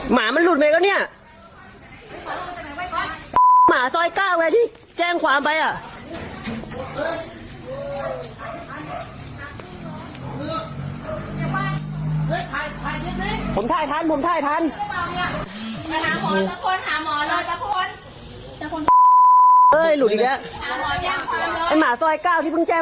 หมาหลุดออกมาแล้วไปกัดข้าวบ้านอ่ะเดี๋ยวดูกันหน่อยนะครับว่าสถานการณ์ล่าสุดตอนนี้เป็นอย่างไรกัดข้าวบ้าน